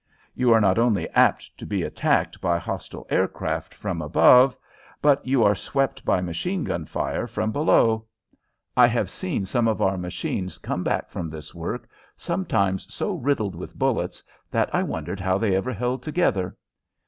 You are not only apt to be attacked by hostile aircraft from above, but you are swept by machine gun fire from below. I have seen some of our machines come back from this work sometimes so riddled with bullets that I wondered how they ever held together.